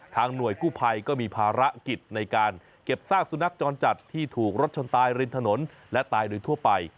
หน่วยกู้ภัยก็มีภารกิจในการเก็บซากสุนัขจรจัดที่ถูกรถชนตายริมถนนและตายโดยทั่วไป